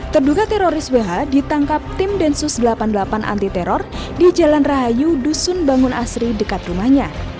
terduga teroris who ditangkap tim densus delapan puluh delapan anti teror di jalan rahayu dusun bangun asri dekat rumahnya